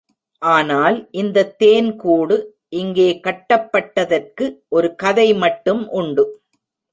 ஆனால் இந்தத் தேன் கூடு இங்கே கட்டப்பட்டதற்கு ஒரு கதை மட்டும் உண்டு.